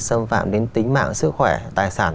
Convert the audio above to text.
xâm phạm đến tính mạng sức khỏe tài sản